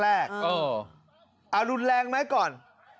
เอารุนแรงไหมก่อน